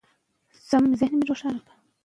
وینه د عضلاتو له خوا جذب شوه.